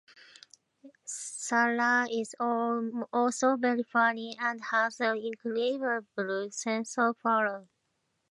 Sarah is also very funny and has an incredible sense of humor.